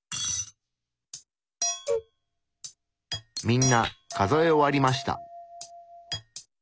みんな数え終わりました。